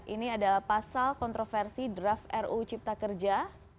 ini adalah pasal kontroversi draft ruu cipta kerja